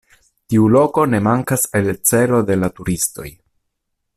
Tiu loko ne mankas el celo de la turistoj.